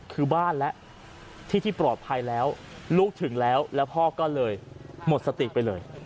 คือบ้านแล้วที่ที่ปลอดภัยแล้วลูกถึงแล้วแล้วพ่อก็เลยหมดสติไปเลย